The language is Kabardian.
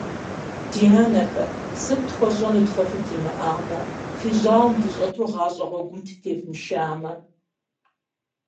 Ди анэхэ, сыт тхуэщӀэнут фэ фыдимыӀамэ, фи жьауэм дыщӀэту гъащӀэ гъуэгум дытевмышамэ?